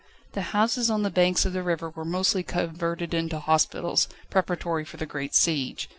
The houses on the banks of the river were mostly converted into hospitals, preparatory for the great siege.